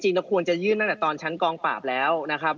เราควรจะยื่นตั้งแต่ตอนชั้นกองปราบแล้วนะครับ